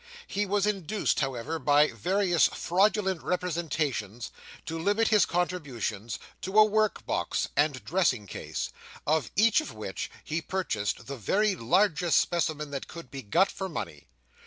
He was induced, however, by various fraudulent representations, to limit his contributions to a work box and dressing case, of each of which he purchased the very largest specimen that could be got for money.